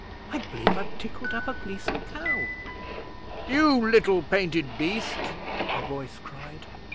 'I b'lieve I've tickled up a Gleason cow.' 'You little painted beast!' a voice cried.